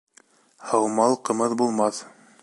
Һаумал ҡымыҙ булмаҫ